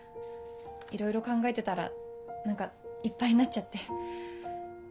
いろいろ考えてたら何かいっぱいになっちゃって。